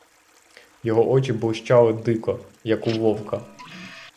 Його очі блищали дико, як у вовка.